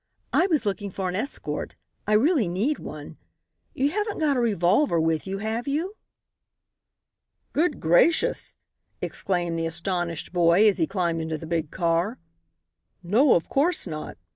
"I was looking for an escort. I really need one. You haven't got a revolver with you, have you?" "Good gracious," exclaimed the astonished boy as he climbed into the big car; "no, of course not.